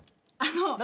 あの。